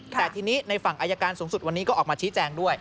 แต่ทีนี้ในฝั่งอายการสูงสุดวันนี้ก็ออกมาชี้แจงด้วย